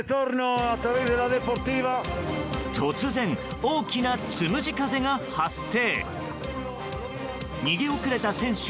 突然、大きなつむじ風が発生。